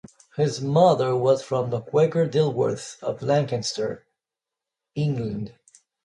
His mother was from the Quaker Dilworths of Lancaster, England.